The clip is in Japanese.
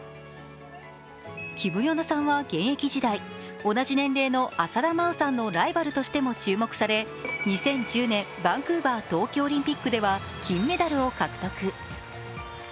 キム・ヨナさんは現役時代、同じ年齢の浅田真央さんのライバルとしても注目され２０１０年、バンクーバー冬季オリンピックでは金メダルを獲得。